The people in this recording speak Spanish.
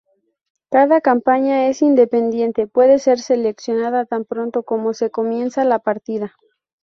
Cada campaña es independiente, puede ser seleccionada tan pronto como se comienza la partida.